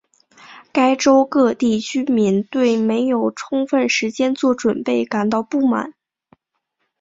该州各地居民都对没有充分时间做准备感到不满。